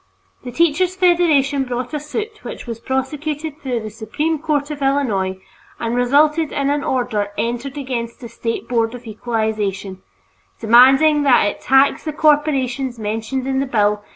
The Teachers' Federation brought a suit which was prosecuted through the Supreme Court of Illinois and resulted in an order entered against the State Board of Equalization, demanding that it tax the corporations mentioned in the bill.